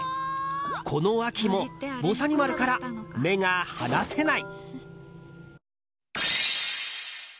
この秋も「ぼさにまる」から目が離せない。